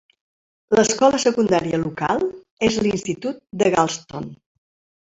L'escola secundària local és l'institut de Galston.